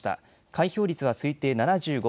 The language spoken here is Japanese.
開票率は推定７５％。